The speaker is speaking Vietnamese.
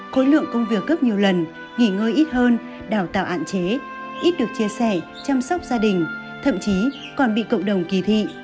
khối lượng công việc gấp nhiều lần nghỉ ngơi ít hơn đào tạo hạn chế ít được chia sẻ chăm sóc gia đình thậm chí còn bị cộng đồng kỳ thị